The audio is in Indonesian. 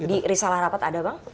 di risalah rapat ada bang